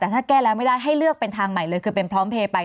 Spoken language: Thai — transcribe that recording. แต่ถ้าแก้แล้วไม่ได้ให้เลือกเป็นทางใหม่เลยคือเป็นพร้อมเพลย์ไป